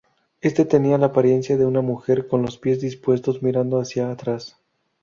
Este tenía la apariencia de una mujer con los pies dispuestos mirando hacia atrás.